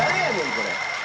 これ！